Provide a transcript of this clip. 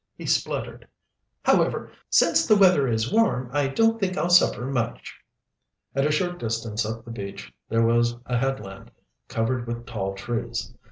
he spluttered. "However, since the weather is warm, I don't think I'll suffer much." At a short distance up the beach there was a headland, covered with tall trees.